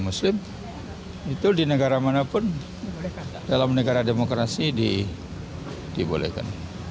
muslim itu di negara manapun dalam negara demokrasi dibolehkan